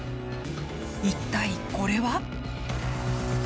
一体これは？